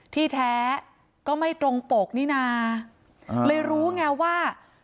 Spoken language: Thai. ที่แท้ก็ไม่ตรงปกนี่นะเลยรู้ไงว่า